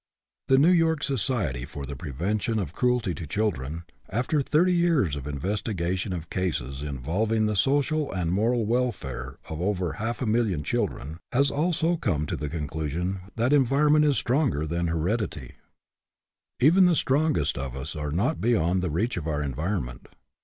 The New York Society for the Prevention of Cruelty to Children, after thirty years of investigation of cases involving the social and moral welfare of over half a million of children, has also come to the conclusion that environment is stronger than heredity. 24 GETTING AROUSED Even the strongest of us are not beyond the reach of our environment.